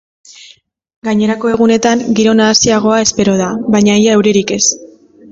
Gainerako egunetan, giro nahasiagoa espero da, baina ia euririk ez.